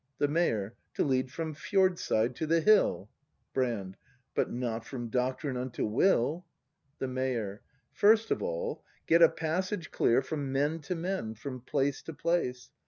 The Mayor. To lead from fjordside to the hill. Brand. But not from Doctrine unto Will. The Mayor. First of all, get a passage clear From men to men, from place to place.